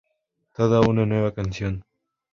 Toda una nueva canción.